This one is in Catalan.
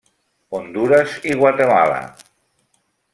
Hondures i Guatemala.